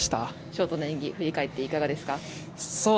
ショートの演技振り返っていかがですか。